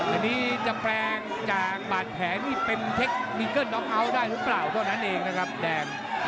อันนี้จะแปลงจากบาดแผลนี่เป็นเทคนิงเกิ้ลน้องเอาท์ได้หรือเปล่าเท่านั้นเองนะครับแดง